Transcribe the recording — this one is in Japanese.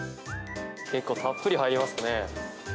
結構たっぷり入りますね。